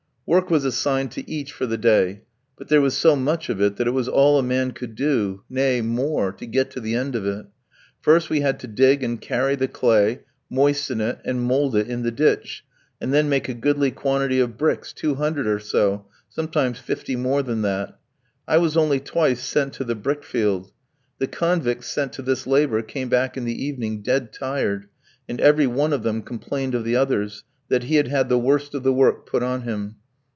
Work was assigned to each for the day, but there was so much of it that it was all a man could do, nay, more, to get to the end of it. First, we had to dig and carry the clay, moisten it, and mould it in the ditch, and then make a goodly quantity of bricks, two hundred or so, sometimes fifty more than that. I was only twice sent to the brick field. The convicts sent to this labour came back in the evening dead tired, and every one of them complained of the others, that he had had the worst of the work put on him.